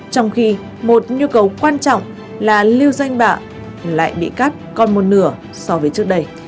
trong khi một nhu cầu quan trọng là lưu danh bạ lại bị cắt còn một nửa so với trước đây